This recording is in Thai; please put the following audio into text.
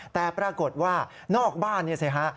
แต่ปรากฏว่านอกบ้านนี่สิฮะ